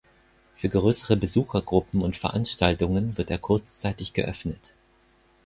Für größere Besuchergruppen und Veranstaltungen wird er kurzzeitig geöffnet.